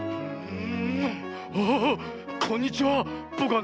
うん？